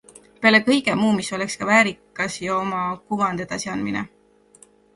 Peale kõige muu, mis oleks ka väärikas ja oma kuvand edasi andmine.